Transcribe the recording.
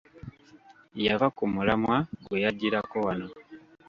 Yava ku mulamwa gwe yajjirako wano.